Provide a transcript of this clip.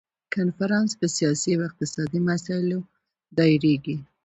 کنفرانس په سیاسي او اقتصادي مسایلو دایریږي.